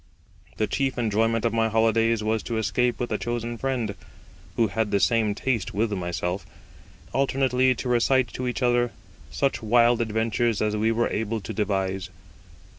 The chief enjoyment of my holidays was to escape with a chosen friend, who had the same taste with myself, and alternately to recite to each other such wild adventures as we were able to devise.